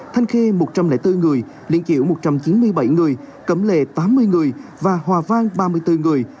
thanh khê một trăm linh bốn người liên kiểu một trăm chín mươi bảy người cầm lệ tám mươi người và hòa vang ba mươi bốn người